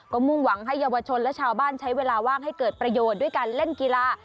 ก็มุ่งหวังให้เยาวชนและชาวบ้านใช้เวลาว่างให้เกิดประโยชน์ด้วยการเล่นกีฬา